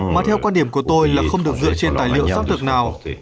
mà theo quan điểm của tôi là không được dựa trên tài liệu sắp được nào